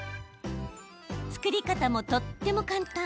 作り方も、とっても簡単。